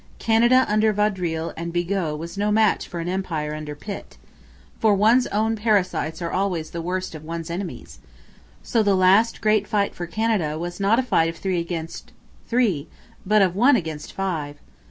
Canada under Vaudreuil and Bigot was no match for an empire under Pitt. For one's own parasites are always the worst of one's enemies. So the last great fight for Canada was not a fight of three against three; but of one against five.